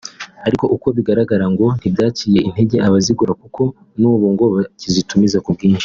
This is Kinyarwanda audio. ariko uko bigaragazwa ngo ntibyaciye intege abazigura kuko n’ubu ngo bakizitumiza ku bwinshi